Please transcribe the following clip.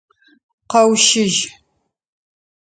Къэущэжь!